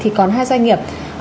thì còn hai doanh nghiệp